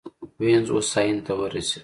وینز هوساینې ته ورسېد.